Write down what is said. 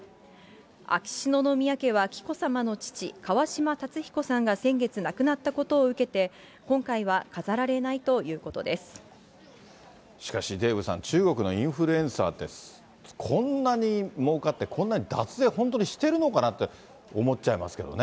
秋篠宮家は紀子さまの父、川嶋辰彦さんが先月亡くなったことを受けて、今回は飾られないとしかし、デーブさん、中国のインフルエンサーって、こんなにもうかって、こんなに脱税、本当にしてるのかなって、思っちゃいますけどね。